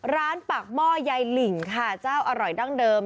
ร้านปากหม้อยายหลิ่งค่ะเจ้าอร่อยดั้งเดิม